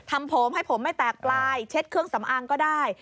ทำผมให้ผมไม่แตกปลายเช็ดเครื่องสำอางก็ได้